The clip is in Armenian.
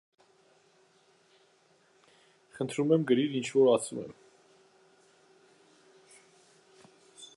Ներկայիս պաշտոնում ակտիվորեն աջակցում է տվյալ ոլորտում կանանց դերը բարձրացնելուն։